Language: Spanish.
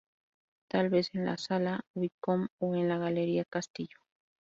Tal vez en la Sala Witcomb o en la Galería Castillo.